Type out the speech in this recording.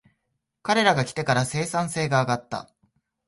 彼らが来てから生産性が上がった